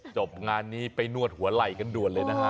จบงานนี้ไปนวดหัวไหล่กันด่วนเลยนะฮะ